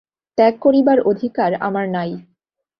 ত্যাগ করিবার অধিকার আমার নাই।